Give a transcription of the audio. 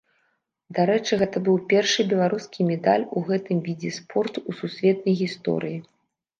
Дарэчы, гэта быў першы беларускі медаль у гэтым відзе спорту ў сусветнай гісторыі.